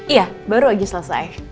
iya baru aja selesai